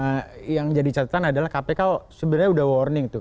nah yang jadi catatan adalah kpk sebenarnya udah warning tuh